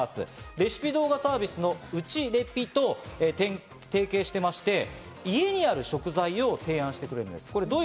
レシピ動画サービスのうちレピと提携していまして、家にある食材を活かしたレシピを提案してくれる。